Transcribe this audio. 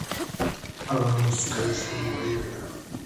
هغه موسكى سو ويې ويل.